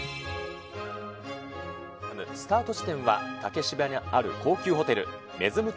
スタート地点は竹芝にある高級ホテル、メズム